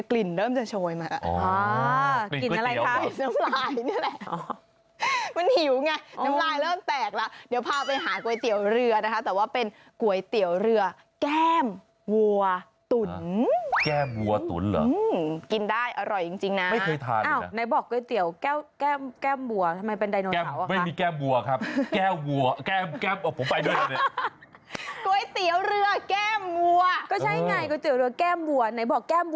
ก๋วยเตี๋ยวเรือแก้มวัวทำไมเป็นไดโนเสาร์ไม่มีแก้มวัวครับแก้มวัวแก้ม